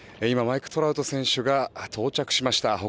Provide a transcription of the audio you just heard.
今、マイク・トラウト選手が到着しました。